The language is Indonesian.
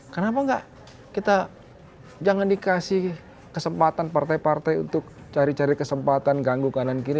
kenapa enggak kita jangan dikasih kesempatan partai partai untuk cari cari kesempatan ganggu kanan kiri